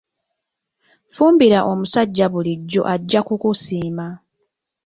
Fumbira omusajja bulijjo ajja kukusiima.